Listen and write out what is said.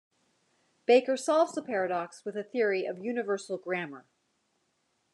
Baker solves the paradox with the theory of universal grammar.